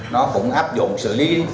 nó cũng áp dụng xử lý